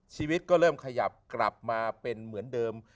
ชีวิตก็เริ่มขยับกลับมาเป็นเหมือนเดิม